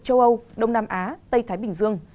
châu âu đông nam á tây thái bình dương